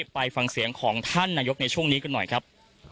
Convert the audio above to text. ไปฟังเสียงของท่านนายกในช่วงนี้กันหน่อยครับ